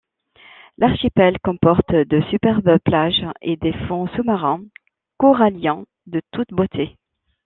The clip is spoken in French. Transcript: L'archipel comporte de superbes plages et des fonds sous-marins coralliens de toute beauté.